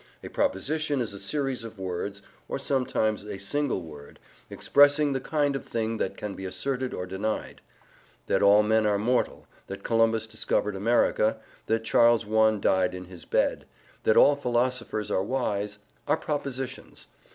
A proposition is a series of words (or sometimes a single word) expressing the kind of thing that can be asserted or denied. "That all men are mortal," "that Columbus discovered America," "that Charles I died in his bed," "that all philosophers are wise," are propositions.